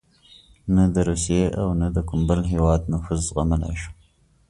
نه د روسیې او نه د کوم بل هېواد نفوذ زغملای شو.